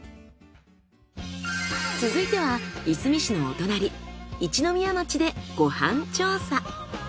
続いてはいすみ市のお隣一宮町でご飯調査。